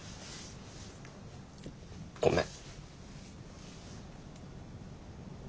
ごめん。